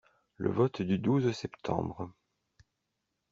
Le vote du douze septembre.